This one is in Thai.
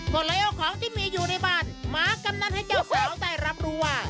ก็เลยเอาของที่มีอยู่ในบ้านมากำนันให้เจ้าสาวได้รับรู้ว่า